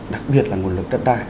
đặc biệt là nguồn lực đất đai